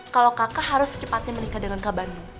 kalau kakak harus secepatnya menikah dengan kak bandung